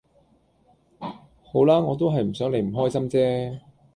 好啦我都係唔想你唔開心啫